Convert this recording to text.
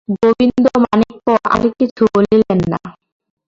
গোবিন্দমাণিক্য আর কিছু বলিলেন না।